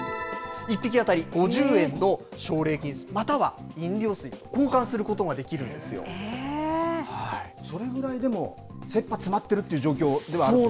１匹当たり５０円の奨励金または飲料水と交換することができるんそれぐらいでも、切羽詰まってるという状況ではあるんですね。